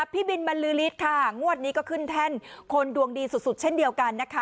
พี่บินบรรลือฤทธิ์ค่ะงวดนี้ก็ขึ้นแท่นคนดวงดีสุดเช่นเดียวกันนะคะ